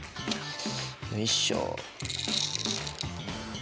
よいしょ。